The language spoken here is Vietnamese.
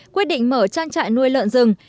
quyết định mở trang trại nuôi lợn rừng